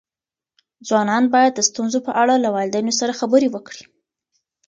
ځوانان باید د ستونزو په اړه له والدینو سره خبرې وکړي.